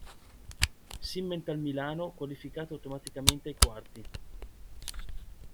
Simmenthal Milano qualificata automaticamente ai quarti.